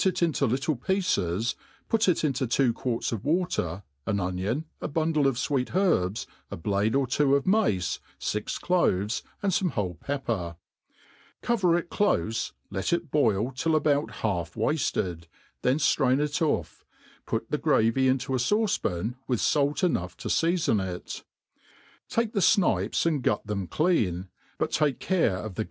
it into little pieces, put it into .two t)uarts of water, an onion, a bundle of fweet herbs, a blade at two of jnaee, fix cloves, and fome whole pepper; coyer it dofe, let it boil till about half wafted, then drain it oiF, put the glravy into a lauce pan, with fait enough to fealbn it ; tak^ the Aiipes and gut them clean (but take care of the